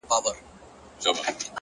پوهه د تیارو ذهنونو رڼا ده